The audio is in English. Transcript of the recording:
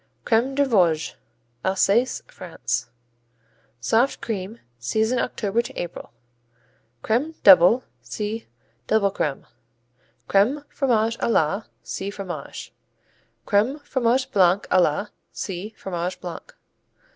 Crème des Vosges Alsace, France Soft cream. Season October to April. Crème Double see Double Crème. Crème, Fromage à la see Fromage. Crème, Fromage Blanc à la see Fromage Blanc.